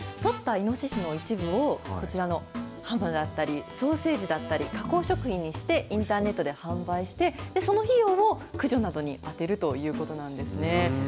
取ったイノシシの一部を、こちらのハムだったり、ソーセージだったり、加工食品にして、インターネットで販売して、その費用を駆除などに充てるということなんですね。